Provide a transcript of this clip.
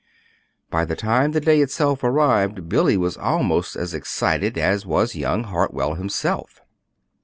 By the time the day itself arrived Billy was almost as excited as was young Hartwell himself.